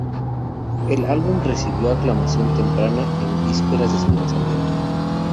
El álbum recibió aclamación temprana en vísperas de su lanzamiento.